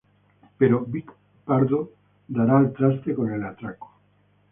Pero Vic Pardo dará al traste con el atraco.